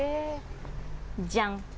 じゃん。